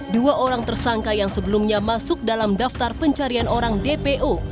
dua orang tersangka yang sebelumnya masuk dalam daftar pencarian orang dpo